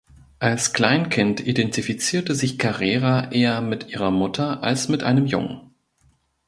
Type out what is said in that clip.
Als Kleinkind identifizierte sich Carrera eher mit ihrer Mutter als mit einem Jungen.